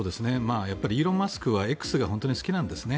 イーロン・マスクはＸが本当に好きなんですね。